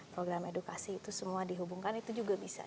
program edukasi itu semua dihubungkan itu juga bisa